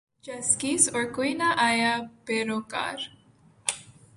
جزقیس اور کوئی نہ آیا بہ روے کار